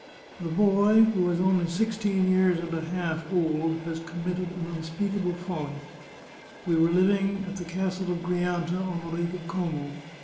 The boy, who is only sixteen years and a half old, 90 The Chartreuse of Parma has committed an unspeakable folly. We were living at the Castle of Grianta, on the Lake of Como.